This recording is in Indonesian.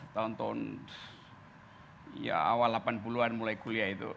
tahun tahun ya awal delapan puluh an mulai kuliah itu